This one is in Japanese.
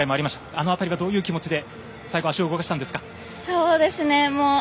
あの辺りはどういう気持ちで最後、足を動かしたんですか？